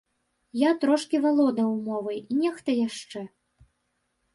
Я трошкі валодаў мовай, нехта яшчэ.